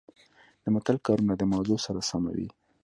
د متل کارونه د موضوع سره سمه وي